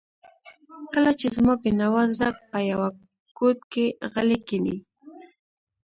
کله چې زما بېنوا زړه په یوه ګوټ کې غلی کښیني.